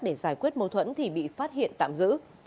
để giải quyết mâu thuẫn thì bị phát hiện tạm giữ